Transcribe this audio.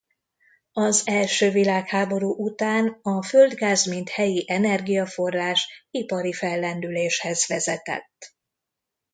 Az első világháború után a földgáz mint helyi energiaforrás ipari fellendüléshez vezetett.